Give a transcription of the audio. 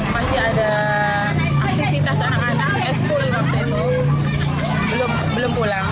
masih ada aktivitas anak anak di sekolah yang belum pulang